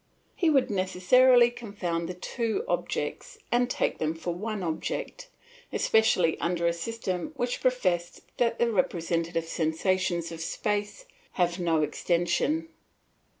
He would necessarily confound the two objects and take them for one object, especially under a system which professed that the representative sensations of space have no extension.